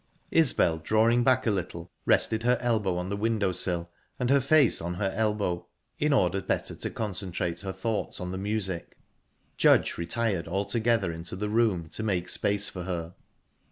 Isbel, drawing back a little, rested her elbow on the window sill and her face on her elbow, in order better to concentrate her thoughts on the music. Judge retired altogether into the room, to make space for her.